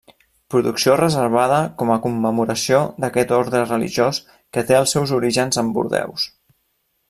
Producció reservada com a commemoració d'aquest orde religiós que té els seus orígens en Bordeus.